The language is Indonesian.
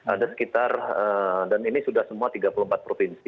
ada sekitar dan ini sudah semua tiga puluh empat provinsi